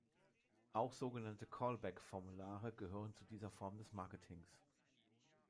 Auch sogenannte "Call-Back-Formulare" gehören zu dieser Form des Marketings.